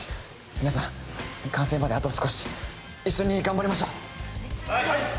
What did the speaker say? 皆さん完成まであと少し一緒に頑張りましょうはい！